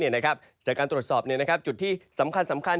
จากการตรวจสอบจุดที่สำคัญ